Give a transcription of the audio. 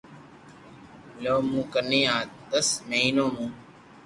او مون ڪني دس مھينون مون